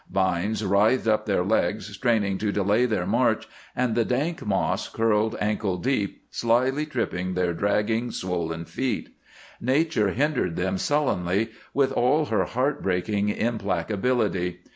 Vines writhed up their legs, straining to delay their march, and the dank moss curled ankle deep, slyly tripping their dragging, swollen feet. Nature hindered them sullenly, with all her heart breaking implacability.